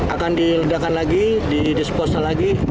akan diledakan lagi didisposal lagi